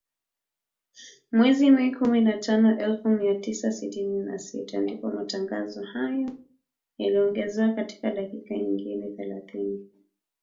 Mwezi Mei, kumi na tano elfu mia tisa sitini na sita, ndipo matangazo hayo yaliongezewa dakika nyingine thelathini.